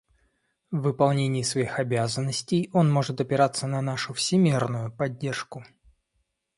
В выполнении своих обязанностей он может опираться на нашу всемерную поддержку.